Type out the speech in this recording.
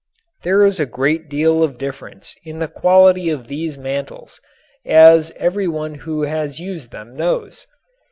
There is a great deal of difference in the quality of these mantles, as every one who has used them knows.